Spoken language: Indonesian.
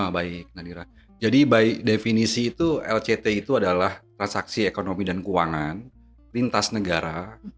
baik nadira jadi baik definisi itu lct itu adalah transaksi ekonomi dan keuangan lintas negara